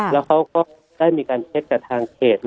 แล้วก็ได้มีการเซ็คกับทางเขต